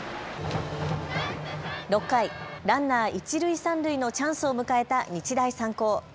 ６回、ランナー一塁三塁のチャンスを迎えた日大三高。